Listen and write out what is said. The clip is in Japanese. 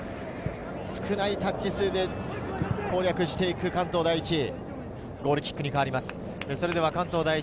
少ないタッチ数で攻略していく関東第一。